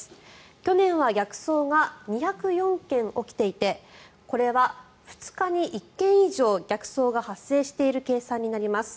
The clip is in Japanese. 去年は逆走が２０４件起きていてこれは２日に１件以上、逆走が発生している計算になります。